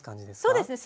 そうですね。